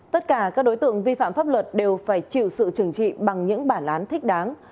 tất cả các đối tượng vi phạm pháp luật đều phải chịu sự trừng trị bằng những bản án thích đáng